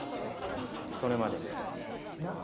それまでなっ？